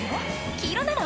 黄色なの？